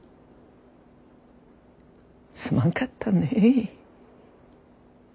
すまんかったね。